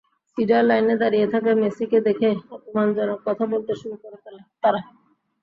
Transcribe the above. ভিসার লাইনে দাঁড়িয়ে থাকা মেসিকে দেখে অপমানজনক কথা বলতে শুরু করে তারা।